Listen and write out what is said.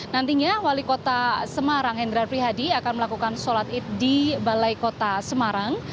nantinya wali kota semarang hendrar prihadi akan melakukan sholat id di balai kota semarang